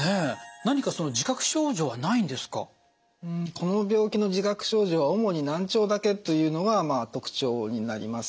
この病気の自覚症状は主に難聴だけというのが特徴になります。